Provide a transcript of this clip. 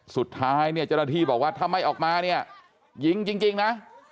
สุดท้ายเนี่ยเจ้าหน้าที่บอกว่าถ้าไม่ออกมาเนี่ยยิงจริงนะ